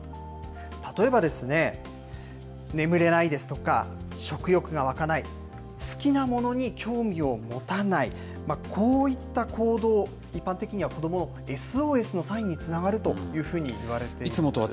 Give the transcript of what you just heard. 例えばですね、眠れないですとか、食欲が湧かない、好きなものに興味を持たない、こういった行動、一般的には、子どものＳＯＳのサインにつながると言われているんです。